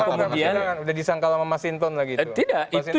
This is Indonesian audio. sudah disangkal sama mas inton lagi itu